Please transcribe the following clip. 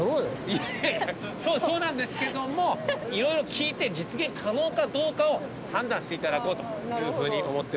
いやいやそうなんですけどもいろいろ聞いて実現可能かどうかを判断していただこうという風に思ってるわけでございます。